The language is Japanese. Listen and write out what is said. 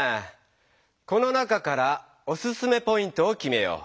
この中からおすすめポイントをきめよう。